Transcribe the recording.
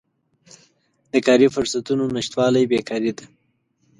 د کاري فرصتونو نشتوالی بیکاري ده.